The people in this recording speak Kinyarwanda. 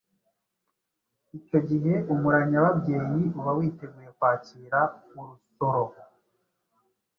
Icyo gihe umura nyababyeyi uba witeguye kwakira urusoro.